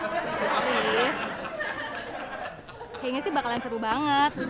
terus kayaknya sih bakalan seru banget